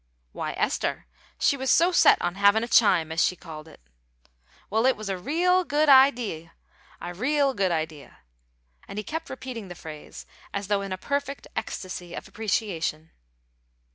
"Why, Esther. She was so set on havin' a 'chime,' as she called it." "Well, it was a real good idee! A real good idee!" and he kept repeating the phrase as though in a perfect ecstasy of appreciation.